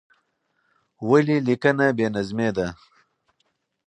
ولې لیکنه بې نظمې ده؟